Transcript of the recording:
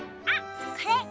あっこれ！